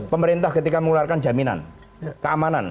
pemerintah ketika mengeluarkan jaminan keamanan